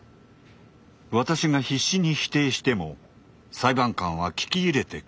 私が必死に否定しても裁判官は聞き入れてくれません。